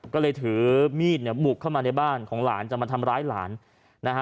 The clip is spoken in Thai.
ก็เลยถือมีดเนี่ยบุกเข้ามาในบ้านของหลานจะมาทำร้ายหลานนะฮะ